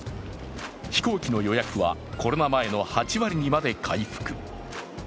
飛行機の予約はコロナ前の８割にまで回復。